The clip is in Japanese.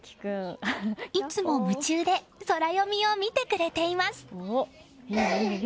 いつも夢中でソラよみを見てくれています。